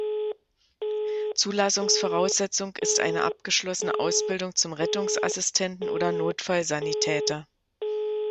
Zulassungsvoraussetzung ist eine abgeschlossene Ausbildung zum Rettungsassistenten oder Notfallsanitäter.